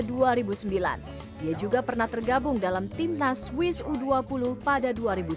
dia juga pernah tergabung dalam timnas swiss u dua puluh pada dua ribu dua belas